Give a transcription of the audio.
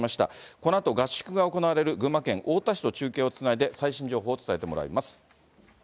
このあと、合宿が行われる群馬県太田市と中継をつないで、最新の情報を伝えてもらいます。